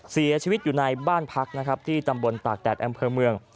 เสียชีวิตอยู่ในบ้านพักนะครับที่ตำบลตากแดดอำเภอเมือง